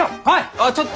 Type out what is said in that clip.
あっちょっと！